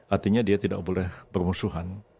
artinya dia tidak boleh bermusuhan